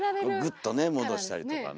グッとね戻したりとかね。